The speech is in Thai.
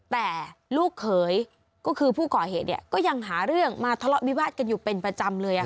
แต่ลูกเขยก็คือผู้ก่อเหตุก็ยังหาเรื่องมาทะเลาะวิวาสกันอยู่เป็นประจำเลย